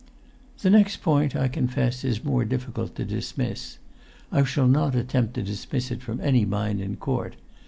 "The next point, I confess, is more difficult to dismiss. I shall not attempt to dismiss it from any mind in court.